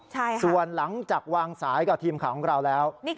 ใช่ค่ะส่วนหลังจากวางสายกับทีมข่าวของเราแล้ว